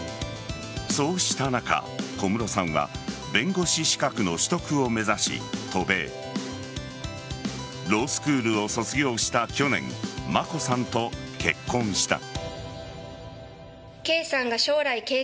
そうした中、小室さんは弁護士資格の取得を目指し渡米。ロースクールを卒業した去年眞子さんと結婚した。